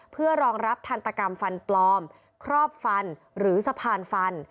เพื่อรองรับทันตกรรมฟันปลอมครอบฟันหรือสะพานฟัน